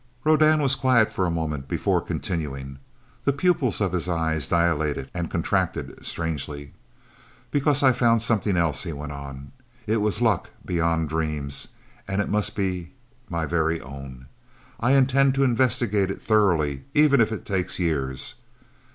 Rodan was quiet for a moment before continuing. The pupils of his eyes dilated and contracted strangely. "Because I found something else," he went on. "It was luck beyond dreams, and it must be my very own. I intend to investigate it thoroughly, even if it takes years!